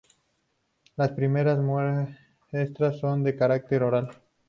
Las primeras muestras son de carácter oral.